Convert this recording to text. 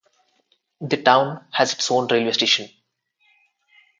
The town has its own railway station.